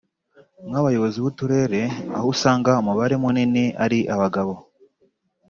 nk’abayobozi b’uturere aho usanga umubare munini ari abagabo